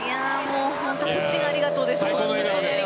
本当にこっちがありがとうです。